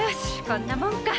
こんなもんか。